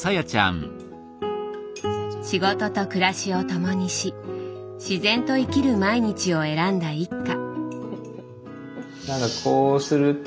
仕事と暮らしを共にし自然と生きる毎日を選んだ一家。